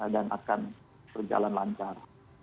dan akan berjalan lancar